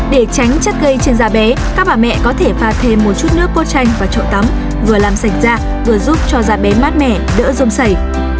để tránh chất gây trên da bé các bà mẹ có thể pha thêm một chút nước cốt chanh vào chậu tắm vừa làm sạch da vừa giúp cho da bé mát mẻ đỡ rôm sẩy